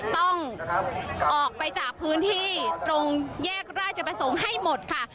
ต้องออกไปจากพื้นที่ตรงแยกราชประสงค์ให้หมดค่ะ